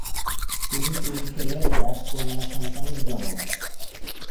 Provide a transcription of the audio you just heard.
তিনি তিন ছেলে ও এক কন্যা সন্তানের জনক।